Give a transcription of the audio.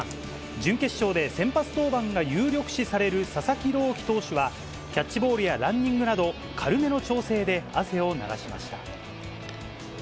準決勝で先発登板が有力視される佐々木朗希投手は、キャッチボールやランニングなど、軽めの調整で汗を流しました。